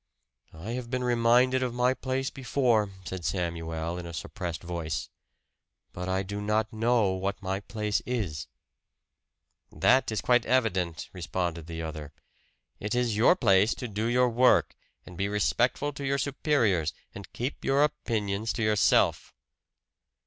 "I have been reminded of my place before," said Samuel, in a suppressed voice. "But I do not know what my place is." "That is quite evident," responded the other. "It is your place to do your work, and be respectful to your superiors, and keep your opinions to yourself."